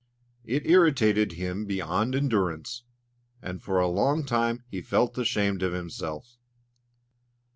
It irritated him beyond endurance, and for a long time he felt ashamed of himself.